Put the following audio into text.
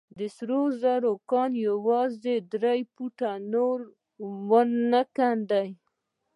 د سرو زرو کان يې يوازې درې فوټه نور ونه کينده.